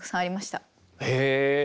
へえ。